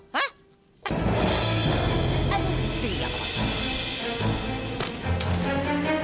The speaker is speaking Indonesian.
eh aduh dia kok